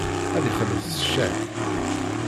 Ad ixelleṣ s ccak.